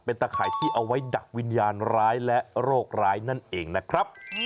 ตะข่ายที่เอาไว้ดักวิญญาณร้ายและโรคร้ายนั่นเองนะครับ